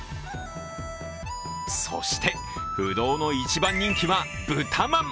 そして不動の一番人気はブタまん。